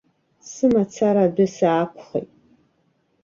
Сымацара адәы саақәхеит!